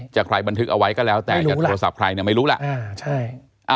ใครบันทึกเอาไว้ก็แล้วแต่จะโทรศัพท์ใครเนี่ยไม่รู้ล่ะ